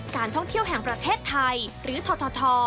การท่องเที่ยวแห่งประเทศไทยหรือทท